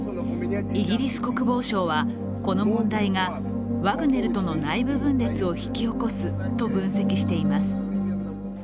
イギリス国防省は、この問題はワグネルとの内部分裂を引き起こすと分析しています。